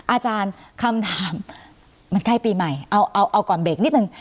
อาจารย์คำถามมันใกล้ปีใหม่เอาก่อนเบรกนิดนึง